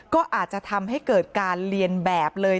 ก็อาจจะทำให้เกิดการเรียนแบบเลย